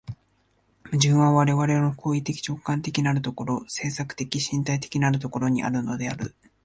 矛盾は我々の行為的直観的なる所、制作的身体的なる所にあるのである。